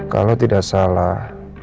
kalau tidak salah